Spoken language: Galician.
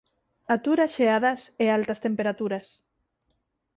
Atura xeadas e altas temperaturas.